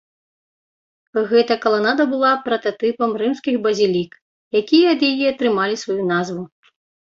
Гэта каланада была прататыпам рымскіх базілік, якія ад яе атрымалі сваю назву.